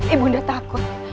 ibu nda takut